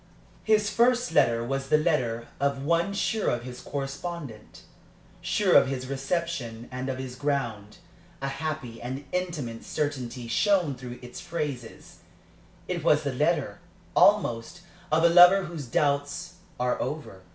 His first letter was the letter of one sure of his correspondent, sure of his reception and of his ground; a happy and intimate certainty shone through its phrases; it was the letter, almost, of a lover whose doubts are over.